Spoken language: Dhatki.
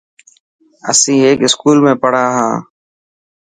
اسين هڪ اسڪول ۾ پڙهان ها.